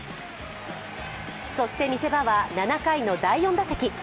そして、見せ場は７回の第４打席。